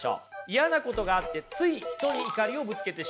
嫌なことがあってつい人に怒りをぶつけてしまった。